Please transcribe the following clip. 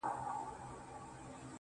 خپل قسمت په هیڅ صورت نه ګڼي جبر -